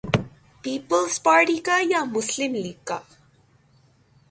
Peoples Party کا یا مسلم لیگ کا؟